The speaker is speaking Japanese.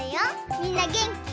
みんなげんき？